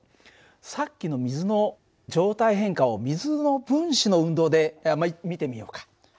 さっきの水の状態変化を水の分子の運動で見てみようか。